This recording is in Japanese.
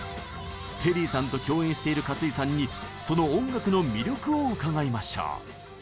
テリーさんと共演している勝井さんにその音楽の魅力を伺いましょう。